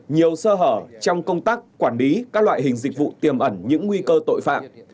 nhiều sơ hở trong công tác quản lý các loại hình dịch vụ tiềm ẩn những nguy cơ tội phạm